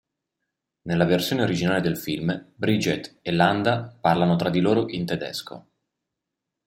Nella versione originale del film, Bridget e Landa parlano tra di loro in tedesco.